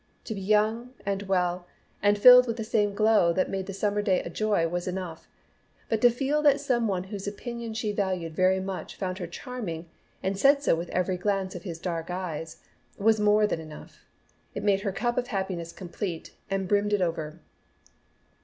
To be young and well and filled with the same glow that made the summer day a joy was enough, but to feel that some one whose opinion she valued very much found her charming, and said so with every glance of his dark eyes, was more than enough. It made her cup of happiness complete and brimmed it over.